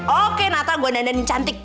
oke natra gue dandanin yang cantik